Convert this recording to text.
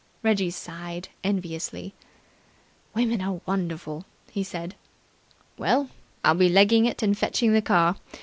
Reggie sighed enviously. "Women are wonderful!" he said. "Well, I'll be legging it and fetching the car.